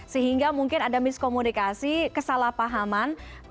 sehingga mungkin ada miskomunikasi kesalahpahaman